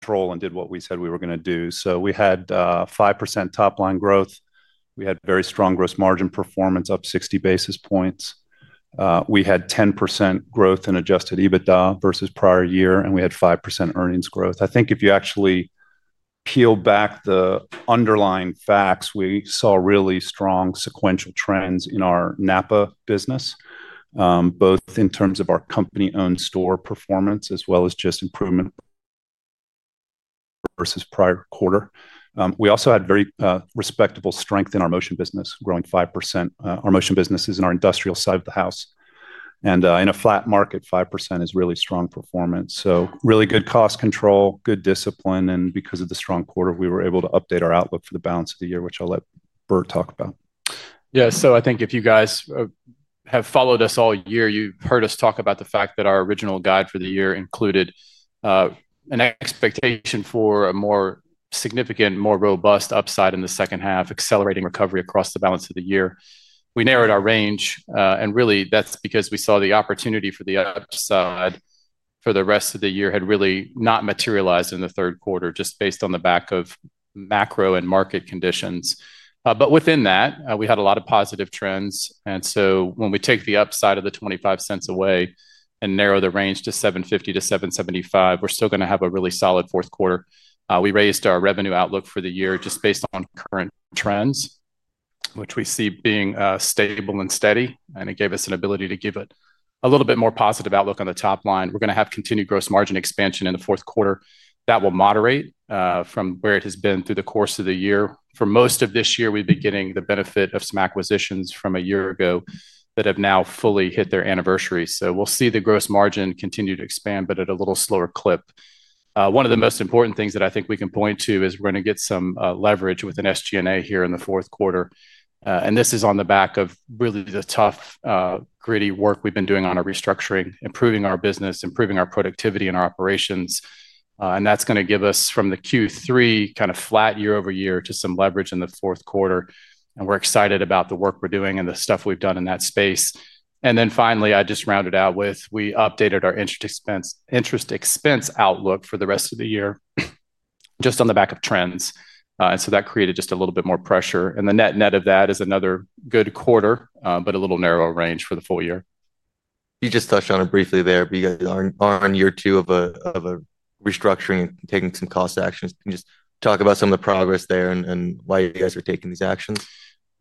Control and did what we said we were going to do. So we had 5% top-line growth. We had very strong gross margin performance, up 60 basis points. We had 10% growth in Adjusted EBITDA versus prior year, and we had 5% earnings growth. I think if you actually peel back the underlying facts, we saw really strong sequential trends in our NAPA business. Both in terms of our company-owned store performance as well as just improvement versus prior quarter. We also had very respectable strength in our Motion business, growing 5%. Our Motion business is in our industrial side of the house, and in a flat market, 5% is really strong performance. So really good cost control, good discipline, and because of the strong quarter, we were able to update our outlook for the balance of the year, which I'll let Bert talk about. Yeah. So I think if you guys have followed us all year, you've heard us talk about the fact that our original guide for the year included an expectation for a more significant, more robust upside in the second half, accelerating recovery across the balance of the year. We narrowed our range, and really that's because we saw the opportunity for the upside for the rest of the year had really not materialized in the third quarter, just based on the back of macro and market conditions. But within that, we had a lot of positive trends. And so when we take the upside of the $0.25 away and narrow the range to $7.50-$7.75, we're still going to have a really solid fourth quarter. We raised our revenue outlook for the year just based on current trends, which we see being stable and steady, and it gave us an ability to give it a little bit more positive outlook on the top line. We're going to have continued gross margin expansion in the fourth quarter. That will moderate from where it has been through the course of the year. For most of this year, we've been getting the benefit of some acquisitions from a year ago that have now fully hit their anniversary. So we'll see the gross margin continue to expand, but at a little slower clip. One of the most important things that I think we can point to is we're going to get some leverage with an SG&A here in the fourth quarter. And this is on the back of really the tough, gritty work we've been doing on our restructuring, improving our business, improving our productivity and our operations. And that's going to give us from the Q3 kind of flat year-over-year to some leverage in the fourth quarter. And we're excited about the work we're doing and the stuff we've done in that space. And then finally, I just rounded out with we updated our interest expense outlook for the rest of the year. Just on the back of trends. And so that created just a little bit more pressure. And the net net of that is another good quarter, but a little narrower range for the full year. You just touched on it briefly there, but you guys are on year two of a restructuring and taking some cost actions. Can you just talk about some of the progress there and why you guys are taking these actions?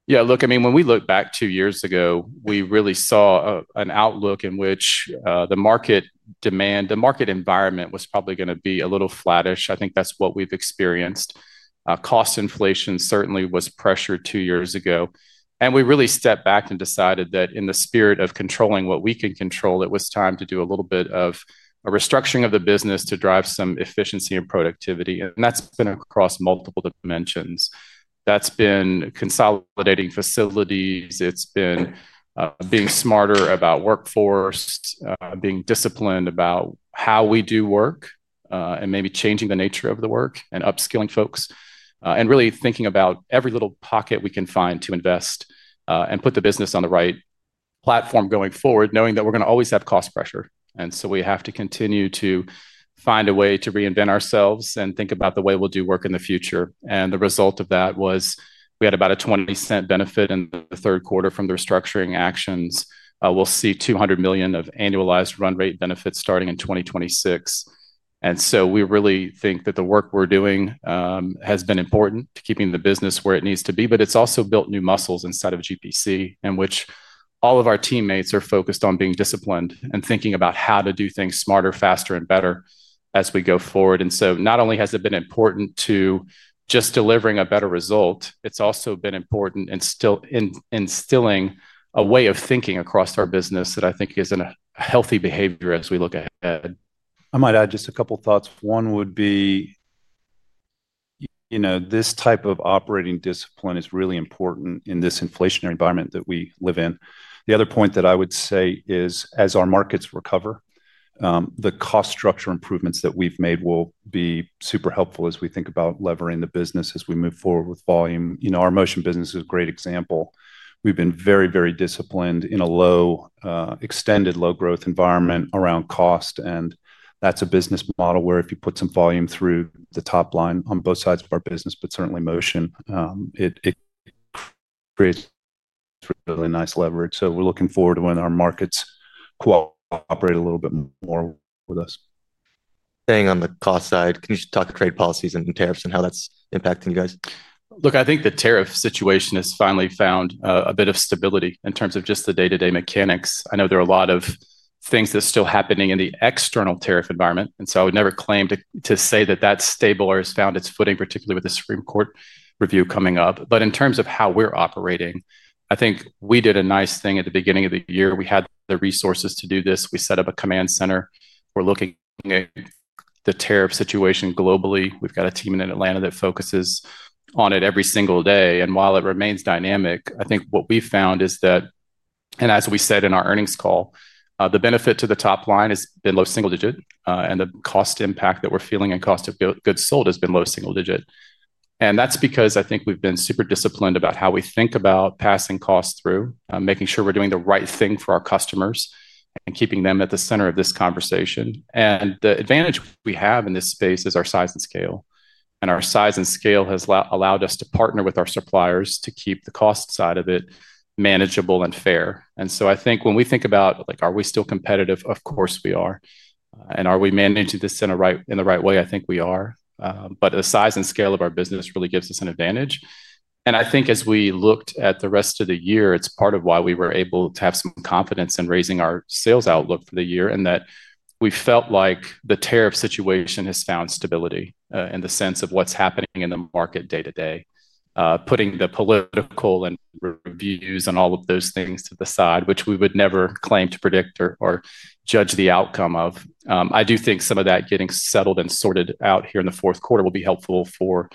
Yeah. Look, I mean, when we look back two years ago, we really saw an outlook in which the market demand, the market environment was probably going to be a little flattish. I think that's what we've experienced. Cost inflation certainly was pressured two years ago. And we really stepped back and decided that in the spirit of controlling what we can control, it was time to do a little bit of a restructuring of the business to drive some efficiency and productivity. And that's been across multiple dimensions. That's been consolidating facilities. It's been being smarter about workforce, being disciplined about how we do work. And maybe changing the nature of the work and upskilling folks, and really thinking about every little pocket we can find to invest and put the business on the right platform going forward, knowing that we're going to always have cost pressure. And so we have to continue to find a way to reinvent ourselves and think about the way we'll do work in the future. And the result of that was we had about a $0.20 benefit in the third quarter from the restructuring actions. We'll see $200 million of annualized run rate benefits starting in 2026. And so we really think that the work we're doing has been important to keeping the business where it needs to be, but it's also built new muscles inside of GPC, in which all of our teammates are focused on being disciplined and thinking about how to do things smarter, faster, and better as we go forward. And so not only has it been important to just delivering a better result, it's also been important in instilling a way of thinking across our business that I think is in a healthy behavior as we look ahead. I might add just a couple of thoughts. One would be. This type of operating discipline is really important in this inflationary environment that we live in. The other point that I would say is, as our markets recover, the cost structure improvements that we've made will be super helpful as we think about levering the business as we move forward with volume. Our Motion business is a great example. We've been very, very disciplined in a low, extended low growth environment around cost. And that's a business model where if you put some volume through the top line on both sides of our business, but certainly Motion. It creates really nice leverage. So we're looking forward to when our markets cooperate a little bit more with us. Staying on the cost side, can you just talk trade policies and tariffs and how that's impacting you guys? Look, I think the tariff situation has finally found a bit of stability in terms of just the day-to-day mechanics. I know there are a lot of things that are still happening in the external tariff environment, and so I would never claim to say that that's stable or has found its footing, particularly with the Supreme Court review coming up. In terms of how we're operating, I think we did a nice thing at the beginning of the year. We had the resources to do this. We set up a command center. We're looking at the tariff situation globally. We've got a team in Atlanta that focuses on it every single day, and while it remains dynamic, I think what we found is that, and as we said in our earnings call, the benefit to the top line has been low single digit, and the cost impact that we're feeling in cost of goods sold has been low single digit, and that's because I think we've been super disciplined about how we think about passing costs through, making sure we're doing the right thing for our customers and keeping them at the center of this conversation. The advantage we have in this space is our size and scale, and our size and scale has allowed us to partner with our suppliers to keep the cost side of it manageable and fair. So I think when we think about, are we still competitive? Of course we are. Are we managing this in the right way? I think we are. The size and scale of our business really gives us an advantage, and I think as we looked at the rest of the year, it's part of why we were able to have some confidence in raising our sales outlook for the year and that we felt like the tariff situation has found stability in the sense of what's happening in the market day to day, putting the political and reviews and all of those things to the side, which we would never claim to predict or judge the outcome of. I do think some of that getting settled and sorted out here in the fourth quarter will be helpful for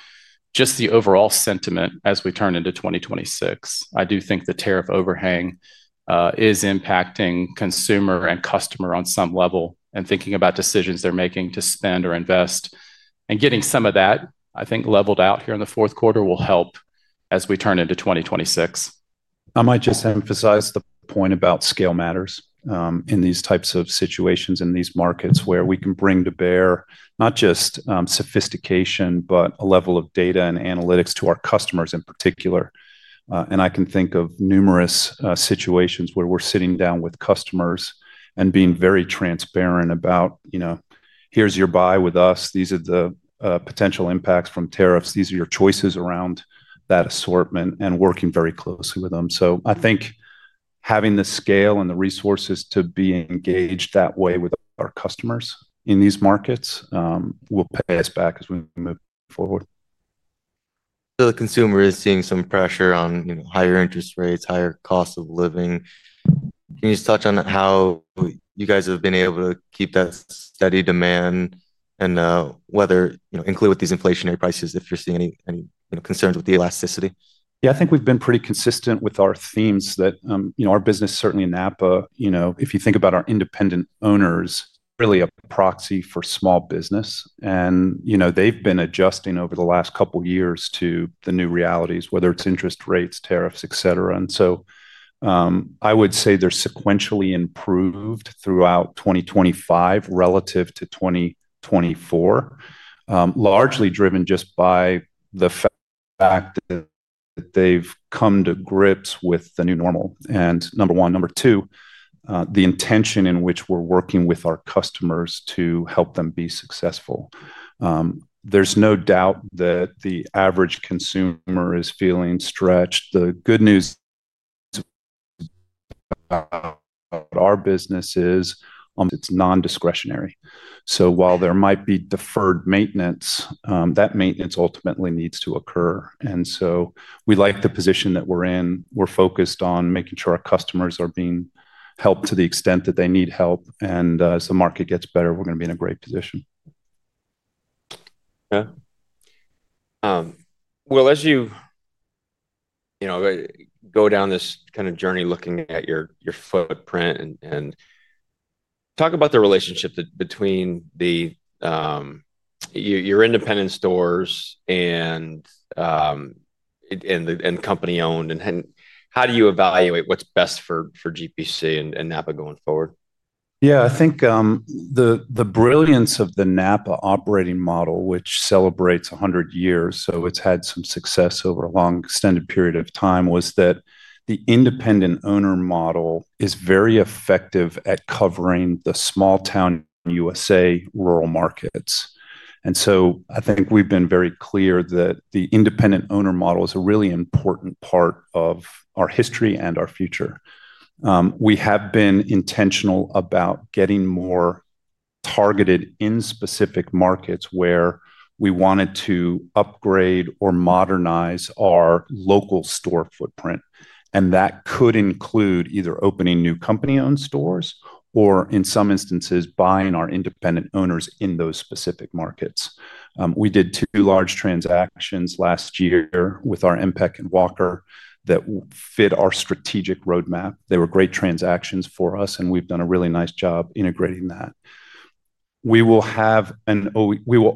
just the overall sentiment as we turn into 2026. I do think the tariff overhang is impacting consumer and customer on some level and thinking about decisions they're making to spend or invest, and getting some of that, I think, leveled out here in the fourth quarter will help as we turn into 2026. I might just emphasize the point about scale matters in these types of situations in these markets where we can bring to bear not just sophistication, but a level of data and analytics to our customers in particular. And I can think of numerous situations where we're sitting down with customers and being very transparent about, "Here's your buy with us. These are the potential impacts from tariffs. These are your choices around that assortment," and working very closely with them. So I think having the scale and the resources to be engaged that way with our customers in these markets will pay us back as we move forward. So the consumer is seeing some pressure on higher interest rates, higher cost of living. Can you just touch on how you guys have been able to keep that steady demand and whether include with these inflationary prices if you're seeing any concerns with the elasticity? Yeah, I think we've been pretty consistent with our themes that our business, certainly in NAPA, if you think about our independent owners, really a proxy for small business. And they've been adjusting over the last couple of years to the new realities, whether it's interest rates, tariffs, et cetera. And so I would say they're sequentially improved throughout 2025 relative to 2024. Largely driven just by the fact that they've come to grips with the new normal. And number one. Number two, the intention in which we're working with our customers to help them be successful. There's no doubt that the average consumer is feeling stretched. The good news about our business is it's non-discretionary. So while there might be deferred maintenance, that maintenance ultimately needs to occur. And so we like the position that we're in. We're focused on making sure our customers are being helped to the extent that they need help. And as the market gets better, we're going to be in a great position. Okay. Well, as you go down this kind of journey looking at your footprint and talk about the relationship between your independent stores and company-owned and how do you evaluate what's best for GPC and NAPA going forward? Yeah, I think. The brilliance of the NAPA operating model, which celebrates 100 years, so it's had some success over a long extended period of time, was that the independent owner model is very effective at covering the small-town USA rural markets. And so I think we've been very clear that the independent owner model is a really important part of our history and our future. We have been intentional about getting more. Targeted in specific markets where we wanted to upgrade or modernize our local store footprint. And that could include either opening new company-owned stores or, in some instances, buying our independent owners in those specific markets. We did two large transactions last year with our Emtek and Walker that fit our strategic roadmap. They were great transactions for us, and we've done a really nice job integrating that. We will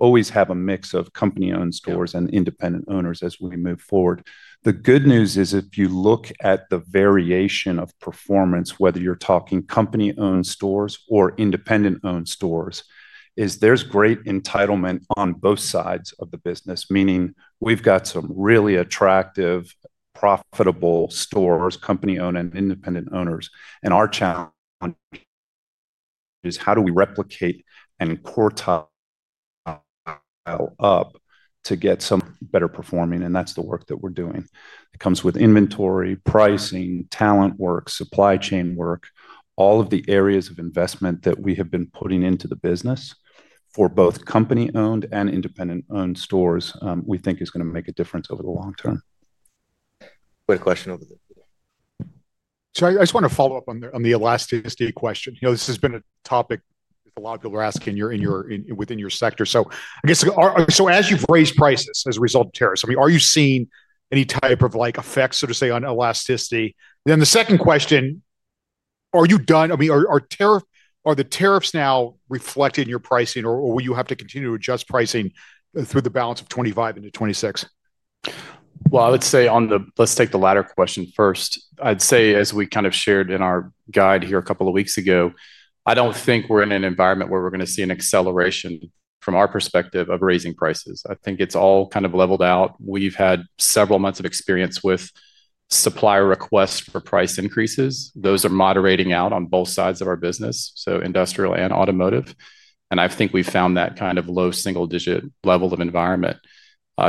always have a mix of company-owned stores and independent owners as we move forward. The good news is, if you look at the variation of performance, whether you're talking company-owned stores or independent-owned stores, is there's great entitlement on both sides of the business, meaning we've got some really attractive, profitable stores, company-owned and independent owners. And our challenge. Is how do we replicate and quartile up to get some better performing? And that's the work that we're doing. It comes with inventory, pricing, talent work, supply chain work, all of the areas of investment that we have been putting into the business. For both company-owned and independent-owned stores, we think is going to make a difference over the long term. Quick question over there. So I just want to follow up on the elasticity question. This has been a topic that a lot of people are asking within your sector. So I guess, so as you've raised prices as a result of tariffs, I mean, are you seeing any type of effects, so to say, on elasticity? Then the second question. Are you done? I mean, are the tariffs now reflected in your pricing, or will you have to continue to adjust pricing through the balance of 2025 into 2026? Well, I would say on the, let's take the latter question first. I'd say, as we kind of shared in our guide here a couple of weeks ago, I don't think we're in an environment where we're going to see an acceleration from our perspective of raising prices. I think it's all kind of leveled out. We've had several months of experience with supplier requests for price increases. Those are moderating out on both sides of our business, so industrial and automotive. And I think we've found that kind of low single-digit level of environment.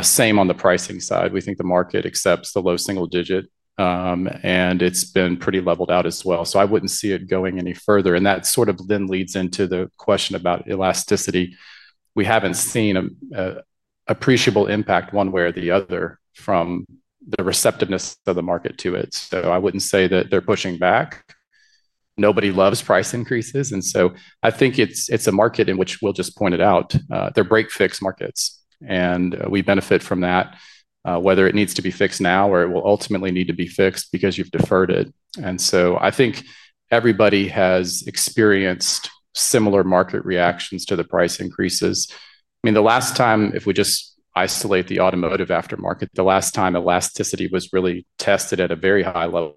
Same on the pricing side. We think the market accepts the low single-digit. And it's been pretty leveled out as well. So I wouldn't see it going any further. And that sort of then leads into the question about elasticity. We haven't seen appreciable impact one way or the other from the receptiveness of the market to it. So I wouldn't say that they're pushing back. Nobody loves price increases. And so I think it's a market in which, we'll just point it out, they're break-fix markets. And we benefit from that. Whether it needs to be fixed now or it will ultimately need to be fixed because you've deferred it. And so I think everybody has experienced similar market reactions to the price increases. I mean, the last time, if we just isolate the automotive aftermarket, the last time elasticity was really tested at a very high level.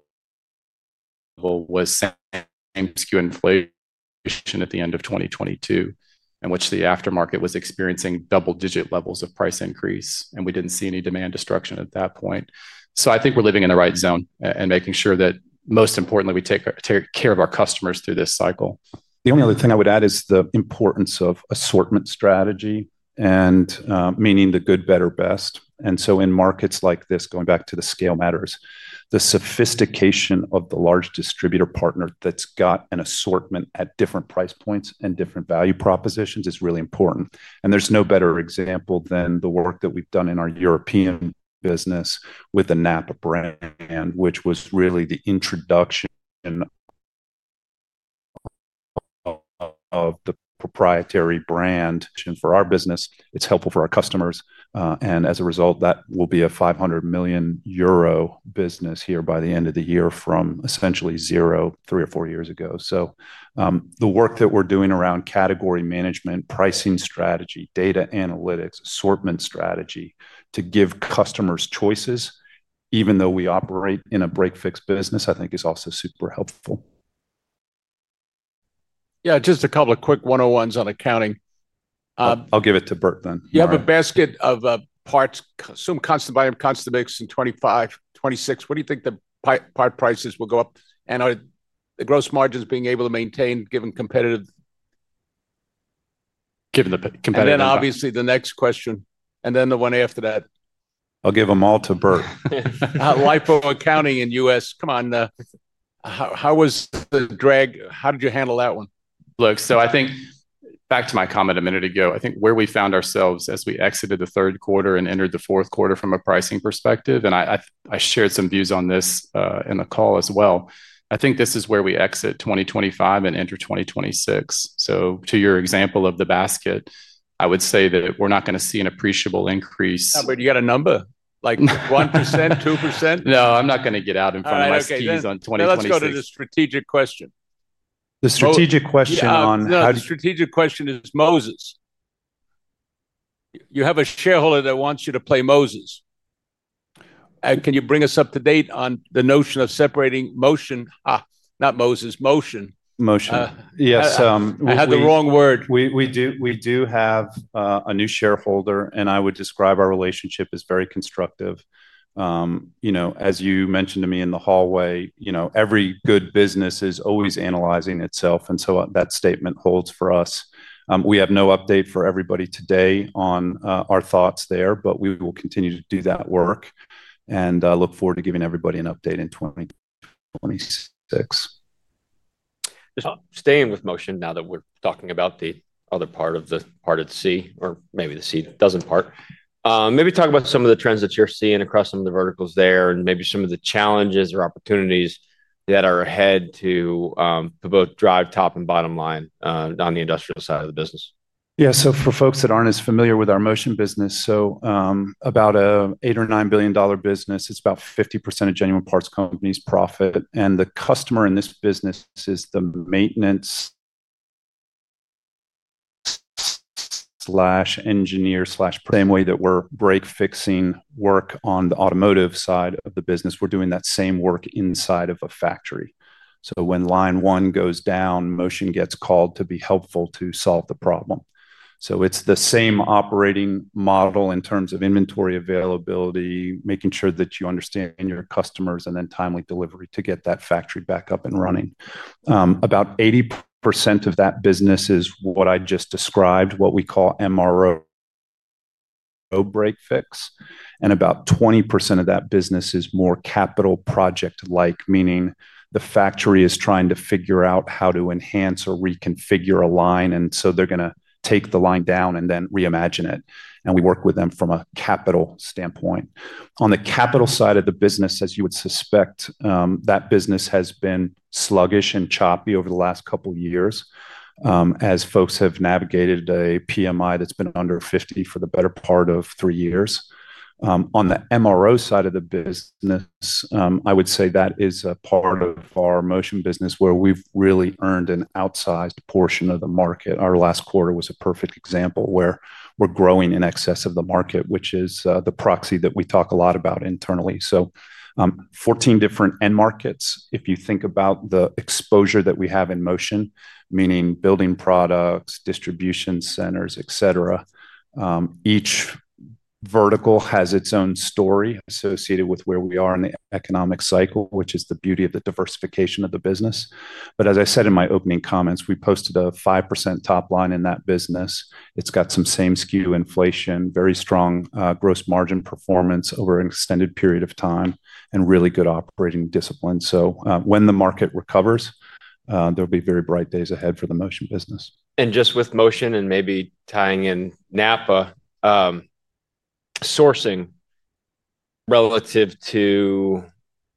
Was same SKU inflation at the end of 2022, in which the aftermarket was experiencing double-digit levels of price increase, and we didn't see any demand destruction at that point. So I think we're living in the right zone and making sure that, most importantly, we take care of our customers through this cycle. The only other thing I would add is the importance of assortment strategy and meaning the good, better, best. And so in markets like this, going back to the scale matters, the sophistication of the large distributor partner that's got an assortment at different price points and different value propositions is really important. And there's no better example than the work that we've done in our European business with the NAPA brand, which was really the introduction of the proprietary brand for our business. It's helpful for our customers. And as a result, that will be a 500 million euro business here by the end of the year from essentially zero three or four years ago. So the work that we're doing around category management, pricing strategy, data analytics, assortment strategy to give customers choices, even though we operate in a break-fix business, I think is also super helpful. Yeah, just a couple of quick 101s on accounting. I'll give it to Bert then. You have a basket of parts, some constant volume, constant mix in 2025, 2026. What do you think the part prices will go up? And the gross margins being able to maintain given competitive. Given the competitive margins. Then obviously the next question, and then the one after that. I'll give them all to Bert. LIFO accounting in U.S., come on. How was the drag? How did you handle that one? Look, so I think back to my comment a minute ago, I think where we found ourselves as we exited the third quarter and entered the fourth quarter from a pricing perspective, and I shared some views on this in the call as well. I think this is where we exit 2025 and enter 2026. So to your example of the basket, I would say that we're not going to see an appreciable increase. How about you got a number? Like 1%, 2%? No, I'm not going to get out in front of my skis on 2026. Let's go to the strategic question. The strategic question on. No, the strategic question is Moses. You have a shareholder that wants you to play Moses. Can you bring us up to date on the notion of separating Motion? Not Moses, Motion. Motion. Yes. I had the wrong word. We do have a new shareholder, and I would describe our relationship as very constructive. As you mentioned to me in the hallway, every good business is always analyzing itself. And so that statement holds for us. We have no update for everybody today on our thoughts there, but we will continue to do that work. And I look forward to giving everybody an update in 2026. Just staying with Motion now that we're talking about the other part of the GPC, or maybe the GPC industrial part. Maybe talk about some of the trends that you're seeing across some of the verticals there and maybe some of the challenges or opportunities that are ahead, too. To drive top and bottom line on the industrial side of the business. Yeah, so for folks that aren't as familiar with our Motion business, so about an $8 or $9 billion business, it's about 50% of Genuine Parts Company's profit. And the customer in this business is the maintenance slash engineer slash. Same way that we're break-fixing work on the automotive side of the business, we're doing that same work inside of a factory. So when line one goes down, Motion gets called to be helpful to solve the problem. So it's the same operating model in terms of inventory availability, making sure that you understand your customers, and then timely delivery to get that factory back up and running. About 80% of that business is what I just described, what we call MRO break-fix. And about 20% of that business is more capital project-like, meaning the factory is trying to figure out how to enhance or reconfigure a line. And so they're going to take the line down and then reimagine it. And we work with them from a capital standpoint. On the capital side of the business, as you would suspect, that business has been sluggish and choppy over the last couple of years. As folks have navigated a PMI that's been under 50 for the better part of three years. On the MRO side of the business, I would say that is a part of our Motion business where we've really earned an outsized portion of the market. Our last quarter was a perfect example where we're growing in excess of the market, which is the proxy that we talk a lot about internally. So, 14 different end markets. If you think about the exposure that we have in Motion, meaning building products, distribution centers, et cetera. Each vertical has its own story associated with where we are in the economic cycle, which is the beauty of the diversification of the business. But as I said in my opening comments, we posted a 5% top line in that business. It's got some same SKU inflation, very strong gross margin performance over an extended period of time, and really good operating discipline. So when the market recovers, there'll be very bright days ahead for the Motion business. And just with Motion and maybe tying in NAPA sourcing relative to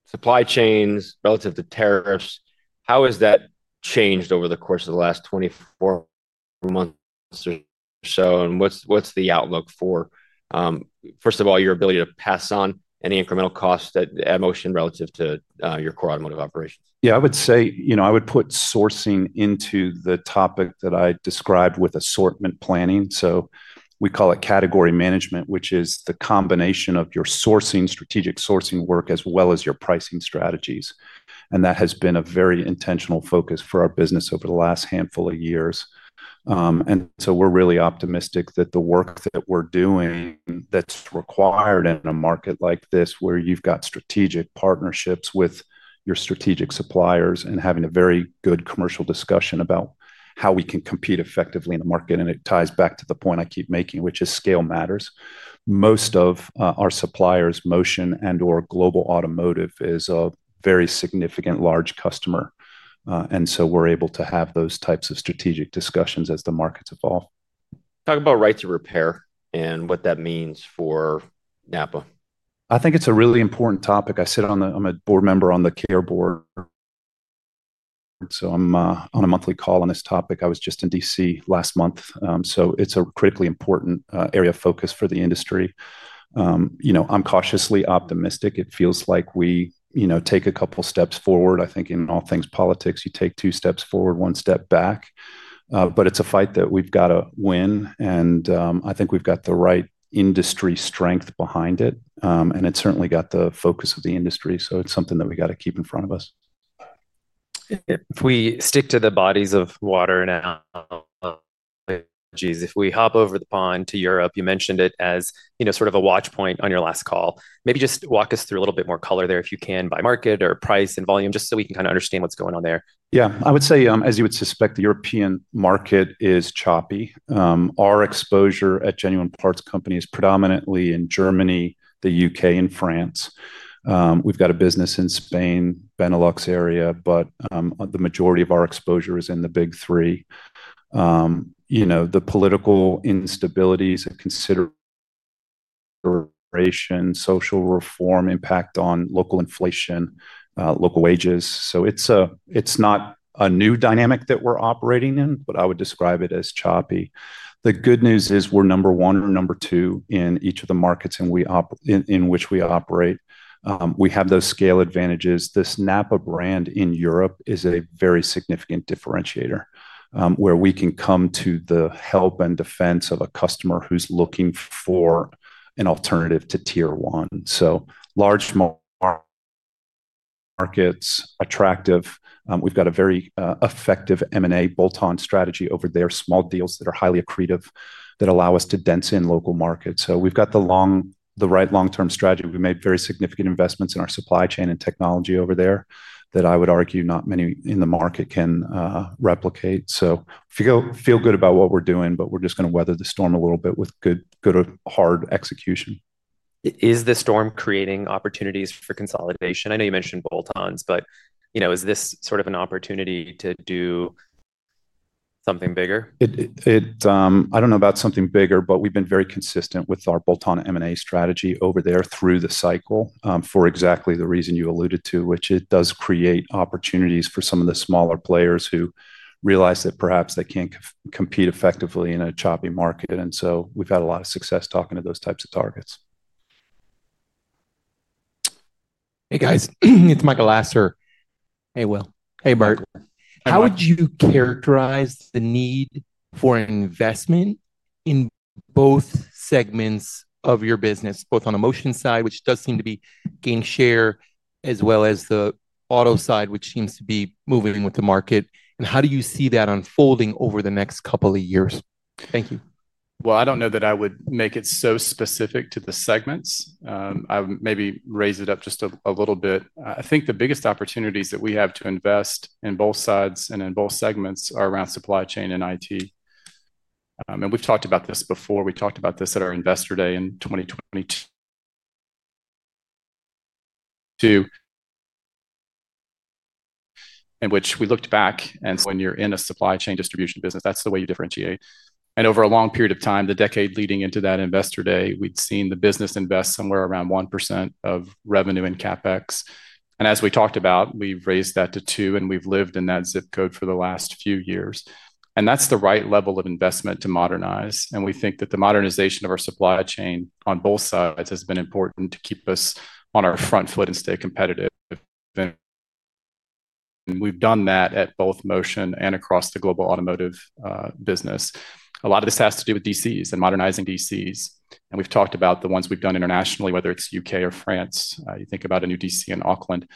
supply chains, relative to tariffs, how has that changed over the course of the last 24 months or so? And what's the outlook for first of all, your ability to pass on any incremental costs at Motion relative to your core automotive operations? Yeah, I would say, you know, I would put sourcing into the topic that I described with assortment planning. So we call it category management, which is the combination of your strategic sourcing work as well as your pricing strategies. And that has been a very intentional focus for our business over the last handful of years. And so we're really optimistic that the work that we're doing that's required in a market like this where you've got strategic partnerships with your strategic suppliers and having a very good commercial discussion about how we can compete effectively in the market. And it ties back to the point I keep making, which is scale matters. Most of our suppliers, Motion and/or global automotive, is a very significant large customer. And so we're able to have those types of strategic discussions as the markets evolve. Talk about right to repair and what that means for NAPA. I think it's a really important topic. I sit on the, I'm a board member on the care board. So I'm on a monthly call on this topic. I was just in D.C. last month. So it's a critically important area of focus for the industry. You know, I'm cautiously optimistic. It feels like we, you know, take a couple of steps forward. I think in all things politics, you take two steps forward, one step back. But it's a fight that we've got to win. And I think we've got the right industry strength behind it. And it's certainly got the focus of the industry. So it's something that we got to keep in front of us. If we stick to the bodies of water now. If we hop over the pond to Europe, you mentioned it as, you know, sort of a watch point on your last call. Maybe just walk us through a little bit more color there if you can by market or price and volume, just so we can kind of understand what's going on there? Yeah, I would say, as you would suspect, the European market is choppy. Our exposure at Genuine Parts Company is predominantly in Germany, the U.K., and France. We've got a business in Spain, Benelux area, but the majority of our exposure is in the big three. You know, the political instabilities, consideration. Social reform, impact on local inflation, local wages. So it's not a new dynamic that we're operating in, but I would describe it as choppy. The good news is we're number one or number two in each of the markets in which we operate. We have those scale advantages. This NAPA brand in Europe is a very significant differentiator where we can come to the help and defense of a customer who's looking for an alternative to tier one. So large markets, attractive. We've got a very effective M&A bolt-on strategy over there, small deals that are highly accretive that allow us to dense in local markets. So we've got the right long-term strategy. We've made very significant investments in our supply chain and technology over there that I would argue not many in the market can replicate. So feel good about what we're doing, but we're just going to weather the storm a little bit with good, hard execution. Is the storm creating opportunities for consolidation? I know you mentioned bolt-ons, but you know, is this sort of an opportunity to do something bigger? I don't know about something bigger, but we've been very consistent with our bolt-on M&A strategy over there through the cycle for exactly the reason you alluded to, which it does create opportunities for some of the smaller players who realize that perhaps they can't compete effectively in a choppy market. And so we've had a lot of success talking to those types of targets. Hey guys, it's Michael Lasser. Hey Will. Hey Bert. How would you characterize the need for investment in both segments of your business, both on the Motion side, which does seem to be gaining share, as well as the auto side, which seems to be moving with the market? And how do you see that unfolding over the next couple of years? Thank you. Well, I don't know that I would make it so specific to the segments. I maybe raise it up just a little bit. I think the biggest opportunities that we have to invest in both sides and in both segments are around supply chain and IT. And we've talked about this before. We talked about this at our investor day in 2022. In which we looked back and when you're in a supply chain distribution business, that's the way you differentiate. And over a long period of time, the decade leading into that investor day, we'd seen the business invest somewhere around 1% of revenue in CapEx. And as we talked about, we've raised that to two, and we've lived in that zip code for the last few years. And that's the right level of investment to modernize. And we think that the modernization of our supply chain on both sides has been important to keep us on our front foot and stay competitive. And we've done that at both Motion and across the global automotive business. A lot of this has to do with D.C.s and modernizing D.C.s. And we've talked about the ones we've done internationally, whether it's U.K. or France. You think about a new D.C. in Auckland.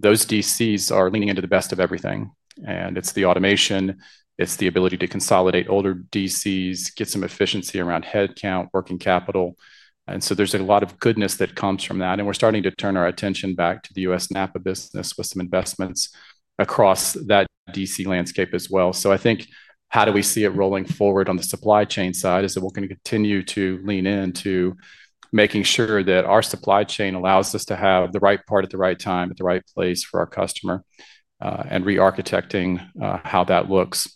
Those D.C.s are leaning into the best of everything. And it's the automation. It's the ability to consolidate older D.C.s, get some efficiency around headcount, working capital. And so there's a lot of goodness that comes from that. And we're starting to turn our attention back to the U.S. NAPA business with some investments across that D.C. landscape as well. So I think how do we see it rolling forward on the supply chain side is that we're going to continue to lean into making sure that our supply chain allows us to have the right part at the right time, at the right place for our customer, and re-architecting how that looks.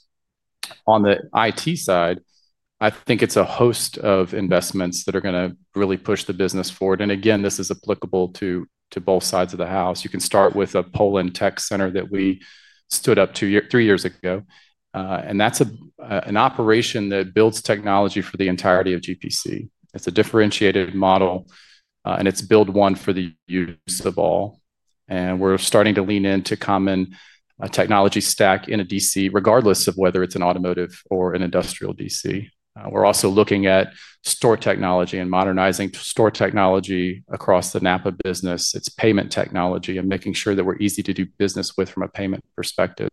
On the IT side, I think it's a host of investments that are going to really push the business forward. And again, this is applicable to both sides of the house. You can start with a Poland tech center that we stood up two years, three years ago. And that's an operation that builds technology for the entirety of GPC. It's a differentiated model, and it's build one for the use of all. And we're starting to lean into common technology stack in a D.C., regardless of whether it's an automotive or an industrial D.C. We're also looking at store technology and modernizing store technology across the NAPA business, its payment technology, and making sure that we're easy to do business with from a payment perspective.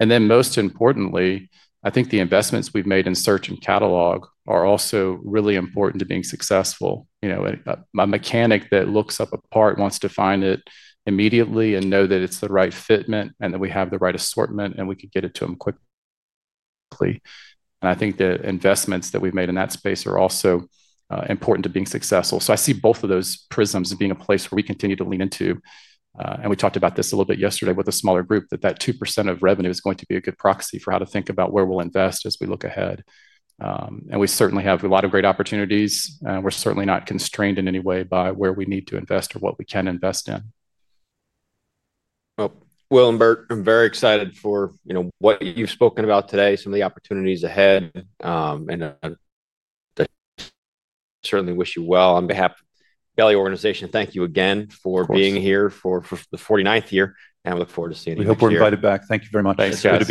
And then most importantly, I think the investments we've made in search and catalog are also really important to being successful. You know, a mechanic that looks up a part wants to find it immediately and know that it's the right fitment and that we have the right assortment and we can get it to them quickly. And I think the investments that we've made in that space are also important to being successful. So I see both of those prisms being a place where we continue to lean into. And we talked about this a little bit yesterday with a smaller group, that that 2% of revenue is going to be a good proxy for how to think about where we'll invest as we look ahead. And we certainly have a lot of great opportunities. We're certainly not constrained in any way by where we need to invest or what we can invest in. Well, Will and Bert, I'm very excited for, you know, what you've spoken about today, some of the opportunities ahead. And certainly wish you well on behalf of the organization. Thank you again for being here for the 49th year. And I look forward to seeing you. We hope we're invited back. Thank you very much. Thanks.